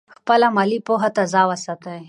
خپله مالي پوهه تازه وساتئ.